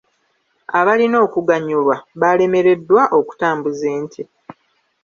Abalina okuganyulwa baalemereddwa okutambuza ente.